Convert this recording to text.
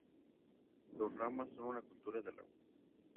Los rama son una cultura del agua.